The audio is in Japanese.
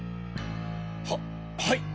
はっはい！